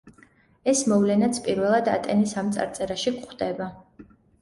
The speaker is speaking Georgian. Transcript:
ეს მოვლენაც პირველად ატენის ამ წარწერაში გვხვდება.